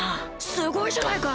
すごいじゃないか！